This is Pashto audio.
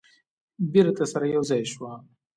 بیرته سره یو ځای شوه.